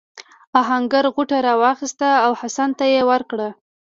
آهنګر غوټه راواخیسته او حسن ته یې ورکړه.